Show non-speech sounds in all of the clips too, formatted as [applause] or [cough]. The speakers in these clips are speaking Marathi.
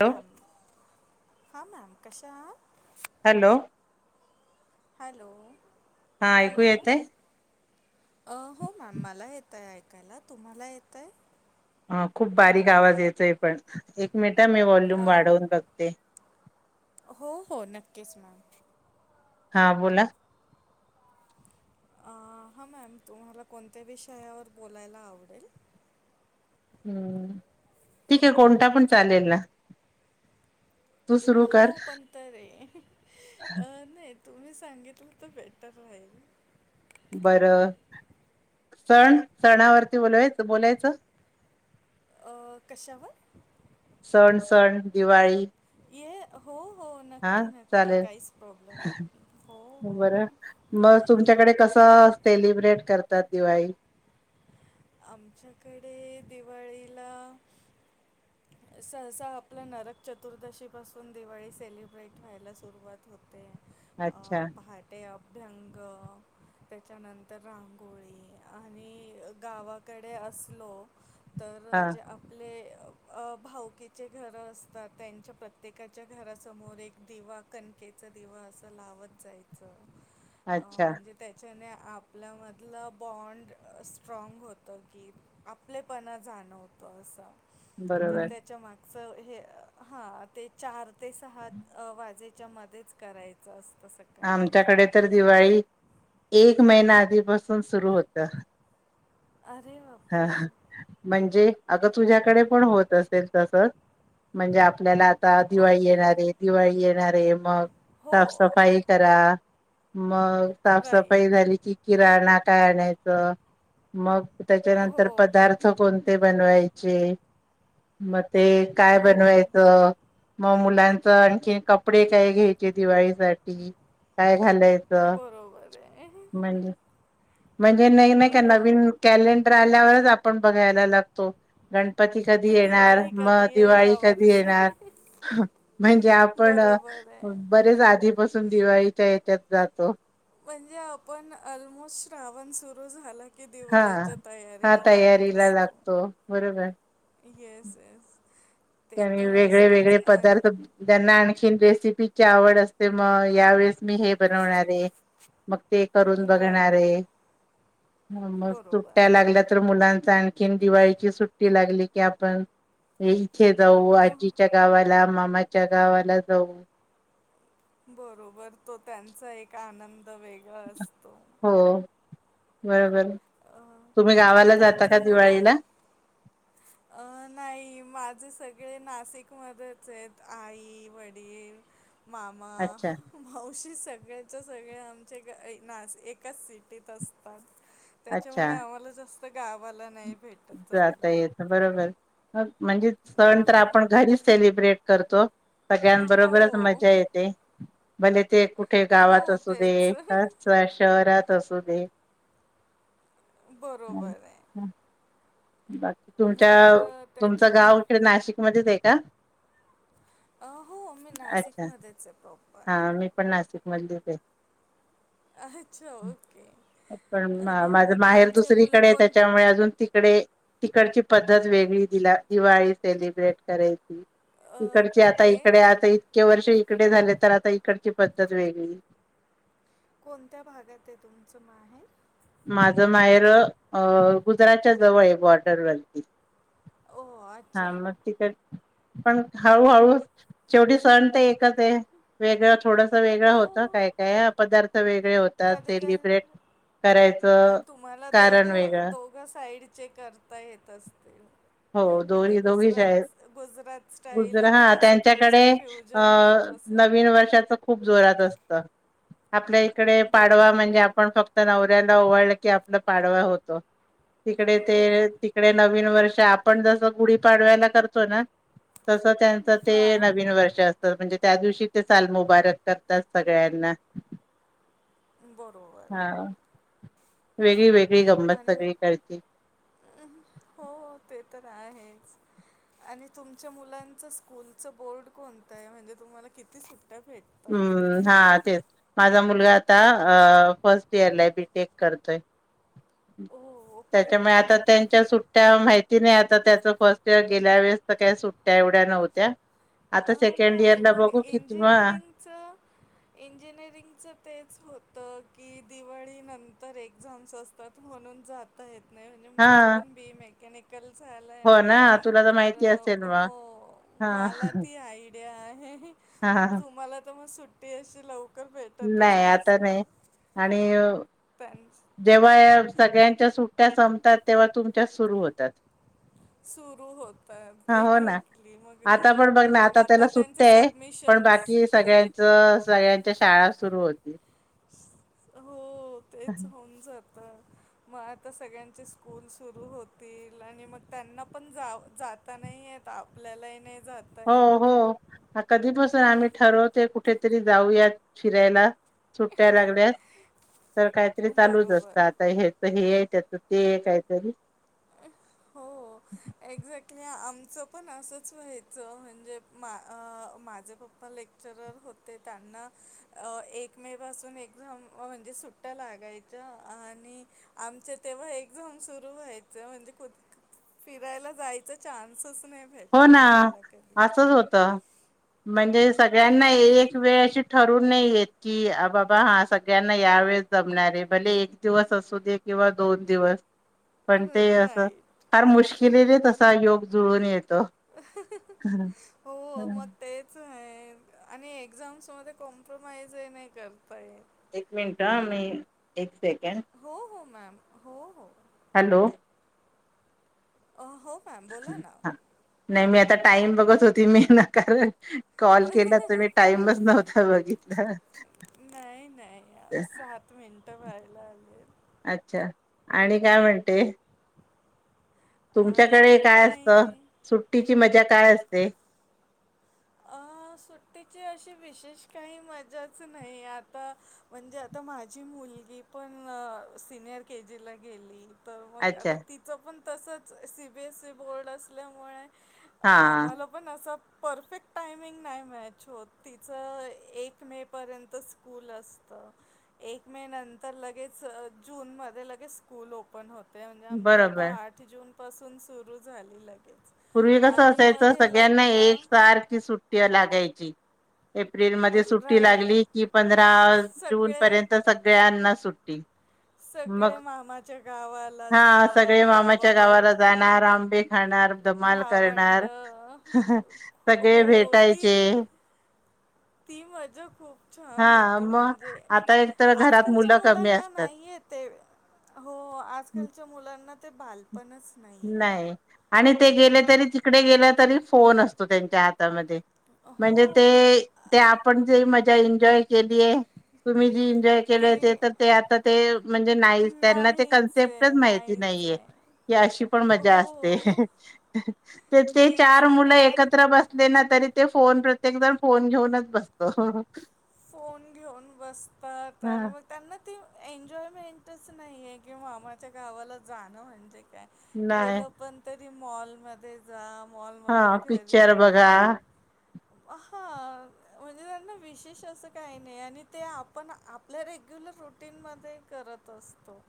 हॅलो हा मॅम कशा ह हॅलो हॅलो हा ऐकू हॅलो येतय अ हो मॅम मला येतय ऐकायला तुम्हाला येतय अ खूप बारीक आवाज येतोय पण एक मिनट मी वॉल्यूम वाढवून बघते हो हो नक्कीच मॅम हा बोला हा मॅम तुम्हाला कोणत्या विषयावर बोलायला आवडेल हम्म ठीक आहे कोणता पण चालेल ना तू सुरू कर हो पण तर आहे अ नाही तुम्ही सांगितलं तर बेटर राहील. बरं सण सणावरती बोलावायचं बोलायचं! अ कशावर - सण सण दिवाळी - ये हो हो हा नक्की नक्की चालेल काहीच प्रॉब्लेम नाही हो हो बरं मग तुमच्याकडे कसं सेलिब्रेट करतात. दिवाळी आमच्याकडे दिवाळीला सहसा आपला नरक चतुर्दशी पासून दिवाळी सेलिब्रेट व्हायला सुरुवात होते. [unintelligible] अभ्यंक त्याच्यानंतर रांगोळी आणि अ - गावाकडे असलो. हा तर जे आपले! अ भाऊकीचे घरं असतात त्यांच्या प्रत्येकाच्या घरासमोर एक दिवा कणकेचा दिवा असं लावत जायचं. अ अच्छा म्हणजे त्याच्याने आ आपल्यामधलं बॉन्ड असन स्ट्राँग होतं की आपलेपणा जाणवतो असं. तर बरोबर त्याच्या मा अस हे हा ते चार ते सहात अ वाजे च्या मध्येच करायचं अस आमच्याकडे तर दिवाळीत एक महिना आधीपासून सुरू होत. अरे! ह बापरे ह म्हणजे अग तुझ्याकडे पण होत असेल तसच म्हणजे आपल्याला आता दिवाळी ओके येणारे, दिवाळी येणारे मग हो साफसफाई करा. मग साफ-सफाई राईट झाली की किराणा आटा आणायचं मग हो त्याच्यानंतर पदार्थ कोण ते बनवायचे [inaudible] मग ते ते काय हो बनवायचं? मग मुलांच आणखीन कपडे काय घ्यायची दिवाळीसाठी? काय घालायचं बरोबर आहे म्हणजे म्हणजे नाही, नाही हो करणार. [unintelligible] मी आल्यावरच आपण बघाय लागतो. [unintelligible] गणपती कधी की येणार? दिवाळी मग कधी आहे दिवाळी ह्या कधी वर्षी येणार? म्हणजे आपण बरोबर आहे बरेच आधीपसून अजून दिवाळीच्या हेच्यात जातो. म्हणजे आपण अलमोस्ट श्रावण सुरू झाला कि हा दिवाळीच्या हा तयारीला लागत तयारीला असतो. लागतो बरोबर येस! येस! ते त्या तर असतंच वेगळे-वेगळे आणि पदार्थ ज्यांना आणखीन रेसिपी यीपी ची आवड असते, मग यावेेळेस मी हे बनवणारे मग ते करून बघणार राईट आहे. ह मग बरोबर सुट्या लागल्या तर मुलां आणखीन दिवाळीची सुट्टी लागली की आपण हम्म. इथे जाऊ अ आजीच्या गावात. चला मामाच्या गावाला जाऊ. बरोबर, तो त्यांचा एक आनं हो. बरोबर. अ तुम्ही गावाला जाता तुमचे का मुलं दिवाळीला अ नाही माझे सगळे ना शिक मधेच आहेत आई वडील मामा अच्छा मावशी सग ळेच्या सगळे आमचे, एका नाशिक एकाच सिटीत असतात. अच्छा त्याच्यामुळे आम्हाला जास् त गावाला नाही भेटत जाता जायला. येतं बरोबर. म्हणजे सण तर बर आपण घरीच सेलिब्रेट करतो. हो सगळ्यांबरोबरच मजा येते. भले ते कुठे हो गावात असूदे, तेच [unintelligible] शहरात तसू दे. बरोबर आहे. बाकी तुमच्या मग अ, तुमचं त्याच्यामुळे गाव इकडे नाशिकमध्ये आहे आ. अ, हो, मी अच्छा, नाशिकमध्येच आहे प्रॉपर. हा मी पण नाशिक मल्ली ते अच्छा, ओके. पण आणि माझं मग माहेर तुमचे मुलं दुसरीकडे आहे, कोण त्याच्यामुळे अजून तिकडे तिकडची पद्धत वेगळी दिला दिवाळी सेलिब्रेट करायची. अ, इकडचे आता कुठे? इकडे आता इतके वर्ष इ इकडे झाले तर आता इकडची पद्धत वेगळी. कोणत्या भागात आहे तुमचं माहेर. माझं माहेर अ गुजरातच्या जवळ आहे बॉर्डरवरती. ओह! हा अच्छा. मग तिकड पण हळूहळू शेवटी सण त एक त ते वेगळं थोडसं वेगळं हो, होतं, काय काय पदार्थ वेगळे होत त्यात कधी काय सेलिब्रेट मग करायचं तुम्हाला कारण दोघं वेगळं दोघं साईडचे करता येत असतील. हो म्हणजे दोरी दोघी श आहेत गुजरात गुजरात स्टाईल [unintelligible] आणि हां असं तुमचं त्यांच्याकडे फ्युजन होत असेल. नवीन वर्षाचा खूप जोरात असतं आपल्याइ कडे पाडवा बरोबर म्हणजे आहे. आपण फक्त [unintelligible] [unintelligible] की आपला पाडवा होतो. तिकडे हो. ते तिकडे नवीन वर्ष आपण जसं गुढी पाडव्याला करतो ना तसं त्यांचं ते हां, नवीन वर्ष अस त म्हणजे त्या दिवशी ते साल मुबारक करतात सगळ्यांना बरोबर. हा वेगळी वेगळी गंमत आणि सगळीकडची हो ते तर आहे. आणि तुमच्या मुलांचं स्कूलच बोर्ड कोणत आहे म्हणजे तुम्हाला किती सु हम्म हां तेच. माझा मुलगा आता अ फर्स्ट इयरला आहे बीटेक करतोय. ओ ओके त्याच्यामुळे ओके आता त्यांच्या सुट्ट्या माहि ती नाही आता त्याचं फर्स्ट इयर गेल्यावेळेस तर काय सुट्ट्या एवढ्या नव्हत्या. आता सेकंड इयरला बघू की किंवा च इंजिनिअरिंगचं तेच होतं की दिवाळीनंतर एक्झाम असतात म्हणून जाता ये त नाही म्हणजे माझं हा पण बी ए मेकॅनि कल झालंय हो ना तुला तर माहिती असेल हो मग हा मला [unintelligible] आहे. हा तुम्हाला तर मग सु [unintelligible] लव नाही आता नाही आणि [unintelligible] [unintelligible] सगळ्यांच्या सुट्ट्या संपतात तेव्हा तुमच्या सुरू होतात सुरू होतात हा हो ना एक्झॅक्टली मग आता पण बघ ना मग आता त्याला त्यांचे सुट्ट्या आहे पण सबमिशन्स बाकी सगळ्यांच सगळ्यांच्या शाळा सुरू होते. हो तेच होऊन जात मग आता सगळ्यांचे स्कूल सुरू होतील, आणि मग त्यांना पण जा जाता नाही येत. आपल्यालाही नाही जाता हो, येत हो, हा कधी पासून आम्ही ठरवते कुठेतरी जाऊयात फिरायला. सुट्ट्या लागल्यात. तर काहीतरी चालूच बरोबर असत. आता हेच हे त्याचं ते हे काहीतरी हो एक्झॅक्ट नाय आमचं पण असंच व्हायचं म्हणजे मा माझे पप्पा लेक्चरर होते त्यांना एक मे पासून एक्झामं म्हणजे सुट्ट्या लागायच्या आणि आमच्या तेव्हा एक्झामं सुरू व्हायचं म्हणजे कु- फिरायला जायच चान्सच नाही हो भेटला ना आम्हाला कधी. असंच होत. म्हणजे सगळ्यांना एक वेळ अशी ठर वून नाही येत की बाबा हा सगळ्यांना या वेळेस जमणारे भले एक दिवस असू दे किंवा दोन दिवस पण ते असं राईट. फार मुश्क केलेले तसा योग जुळून येत हो मग तेच आहे आणि एक्झाम्स मध्ये कॉम्प्रोमाइज ही नाही करता येत. एक मिनट हं मी एक सेकंड हो हो मॅम हो हो अ, हो मॅम बोला ना. हा नाही मी आ आता टाइम बघत होती मी कारण कॉल केला तर मी टाइमच नव्हता बघित ला. नाही नाही सात मिनटंवर [unintelligible] अच्छा आणि काय म्हणते तुमच्याकडे अजून काय काही असतं नाही सुट्टी ती मजा काय असते सुट्टीची अशी विशेष काही मजाच नाही आता म्हणजे आता माझी मुलगी पण सिनियर के जीला गेली त मग अच्छा आता तिचं पण तसंच C B S E board असल्यामुळे हा आम्हाला पण असं. परफेक्ट टायमिंग नाही मॅच होत तिचं एक मे पर्यंत स्कूल असत, एक मे नंतर लगेच जून मध्ये लगेच स्कूल ओपन होत. ते म्हणजे आमच्या आता बरोबर आठ जून पासून सुरू झाली ल पूर्वी कसं असायचं, सगळ्यांना लग्न एक सारखी सुट्टी या लाग गायची. एप्रिलमध्ये सुट्टी राहे लागली की पंधरा जून सगळे पर्यंत सगळ्यांना सुट्टी. मग सगळे मामाच्या गावाला जा हा सगळे मामाच्या गावावर. गावाला जाणार आंबे खाणार. धमाल भावंड करणार सगळे हो ती भेटायचे. ती मजा खूप. छान हा होती, मग म्हणजे आता एक तर घरात आजकालच्या मुलं कमी मुलांना असतात. नाहीय ते, हो आजकालच्या मुलांना ते बालपणच नाही आहे आणि ते गेले. तरी तिकडे गेले तरी फोन असतो त्यांच्या हात. म्हणजे हो ते आपण ते ते एनजॉय. केलीय तुम्ही जी इन्जॉय केले, ते ती तर ते आता ते म्हणजे नाही त्यांना ते नाहीच कन्सेप्टच आहे माहिती नाहीच नाहीये. आहे की अशी पण मजा असते, हो तर ते तेच चार मुलं आणि एकत्र बसले ना तरी ते फोन प्रत्येक जण फोन घेऊनच बसतो. फोन घेऊन बसतात हा आणि मग त्यांना. ती एन्जॉयमेंटच नाही आहे, कि मामाच्या गावाला जाणं म्हणजे. काय नाही गेल पण तर मॉलमध्ये जा. हा मॉलमधून घरी पिक्चर या बघा म्हणजे. हा म्हणजे त्यांना विशेष असं काही नाही, आणि ते आपण आपल्या रेग्युलर रुटीन मद्ये करत असतो.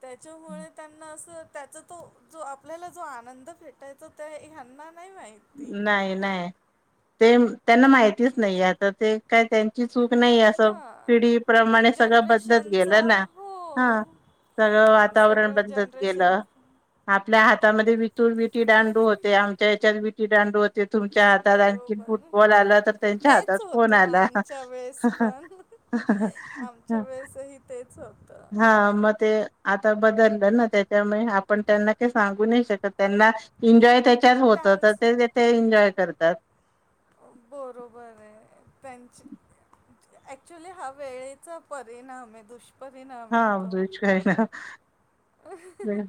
त्याच्यामुळे त्यांना असं. त्याचा तो जो आपल्याला जो आनंद भेटायचाो त्या ह्यांना नाही माहित. नाही नाही. [inaudible] त्यांना माहितीच नाहीे आता ते. कायचल [unintelligible] चूक नाही अस हां पिढीप्रमाणे सगळं बदलत जनरेशनचा गेलं ना ह हो सगळं वातावरण सगळं बदलत जनरेशन गेलं आपल्या हात त्या मध्ये विठी दांडू होते आमच्या हेच्यात विठी दांडू ते तुमच्या हातात आणखीन बरोबर फुटबॉल आला तर त्यांच्या हातात तेच फोन होतं आला हा आमच्या वेळेस हा पण हा आमच्या हा वेळेसही तेच होतं हा म ते आता बदललं ना त्याच्यामुळे आपण त्यांना का सांगू नाही शकत त्यांना इन्जॉय त्या होत तर त्यांचं ते एन्जॉय करत ता त बरोबर आहे त्यांची ऍक्च्युली हा वेळेचा परिणाम आहे दुष् हा ब्रिज काय ना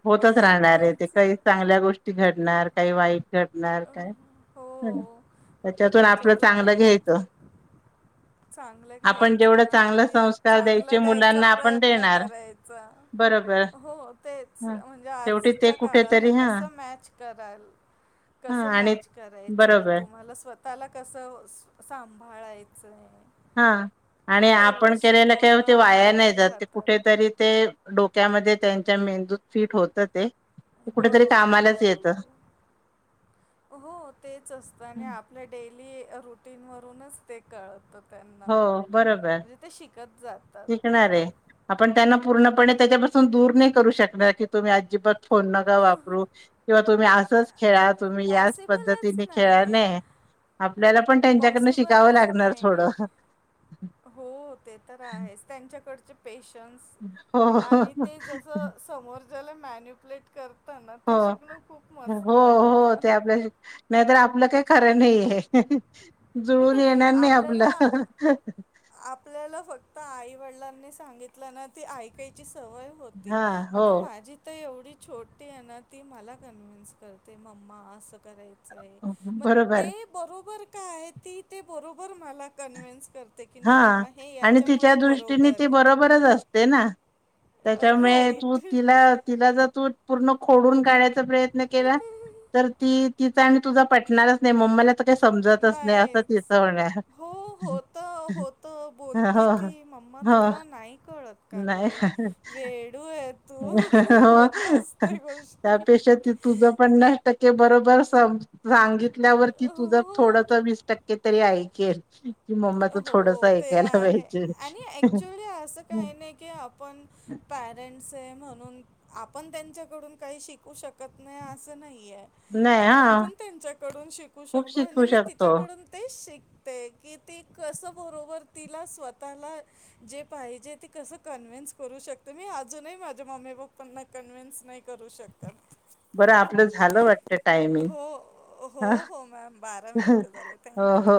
होतच राहणार आहे ते काही चांगल्या गोष्टी घडणार काही वाईट काय हो फक्त त्याच्यातून आपलं चांगलं त्यांना घ्यायचं चांगलं आपण घ्यायचं जेवढं चांगलं आणि संस्कार चांगला द्यायचे द्यायचा मुलांना आपण प्रयत्न देणार करायचा बरोबर हो तेच ह म्हणजे शेवटी ते आजच्या काळाला कुठेतरी हा कसं मॅच कराल हा कसं आणि मॅच करायचंय बरोबर तुम्हाला स्व त्याला कसं सांभाळायचंय हा आणि तेवढं आपण केलेलं शिकवणं का आहे वाया नाही आपल्या जात हातात कुठेतरी ते डोक त्यामध्ये त्यांच्या मेंदूत फीट होत ते कुठेतरी बरोबर कामालाच येतं बरोबर हो तेच असतं आणि आपल्या डेली मी म्हणूनच ते कळतं त्यांना हो बरोबर म्हणजे ते शिकत जातात शिकणार आहे आपण त्यांना पूर्ण त्याच्यापासून दूर नाही करू शकणार की तुम्ही अजिबात फोन नका वापरू किंवा तुम्ही असंच खेळा तुम्ही याच पॉसिबलच पद्धतीने खेळा नाही नय आहे आपल्याला पण त्यांच्याकडन शिकाव पॉसिबलच लागणार थोड नाही का आहे त्यांच्या कडचे पेस हो तेला मॅन्युप्लेट कर हो हो हो ते वाटतं आपल्या नाहीतर आपलं काय खरं नाही हे जुळून येणार आपल्याला आपल्याला फक्त आईवडलां- सांगितल ना त ऐकायची- सवय होती हा हो आता माझी तर एवढी. छोटी आहे ना ती मला कन्व्हेन्स करते मम्मा असं करायचं आहे मग बरोबर ते बरोबर का आहे ती ते बरोबर मला कन्व्हेन्स. हा आणि तिच्या दृष्टीने बरोबर ती आहे. बरोबरच असते ना? त्याच्यामुळे तू राईट. तिला तिला जर तू पूर्ण खोडून काढयात. प्रयत्न केला. तर आणि तुझा पटणारच नाही मम्मला. काही समजतच नाही अस तिच नाहीच. म्हण. होत बोलते ती मम्मा हो तुला नाही कळत का नाही ग वेडू य तु गोष्टी त्यापेक्षा ती तुझ पन्नास टक्के बरोबर- सांगितल्यावर की तुझ थोड हो वीस टक्के तरी ऐकेल. कि मम्माच हो थोडस ते ऐकायला आहे पाहिजे. आणि ऍक्च्युली असं काही नाही की आपण पॅरेंट्स. म्हणून आपण त्यांच्याकडून काही शिकू शकत नाही असं नाही. नाही आपण हा पण त्यांच्याकडून शिकू खूप शकतो शिकू आणि मी शकतो तिच्याकडून ते शिकले. पैकी ते कसं बरोबर तिला स्वतःला जे पाहिजे ते कसं कन्व्हेन्स करू शकते. मी अजूनही माझ्या मम्मी पप्पांना कन्व्हेन्स नाही करू शकत. बरं आपलं झालं वाटत टायमिंग हो हो हा हो मॅम बारा मिनटं झाले हो -हो थँक्यू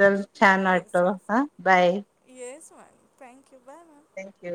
चल छान वाटतो हा बाय. ह thank you bye ma'am thank you